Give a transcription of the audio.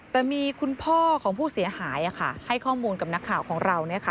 แต่มีคุณพ่อของผู้เสียหายให้ข้อมูลกับนักข่าวของเรา